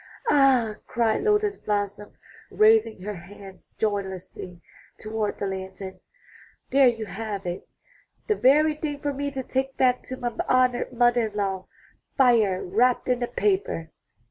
''Ah," cried Lotus blossom, raising her hands joyously toward the lantern, 'There you have it! The very thing for me to take back to my honored mother in law — fire wrapped in a paper."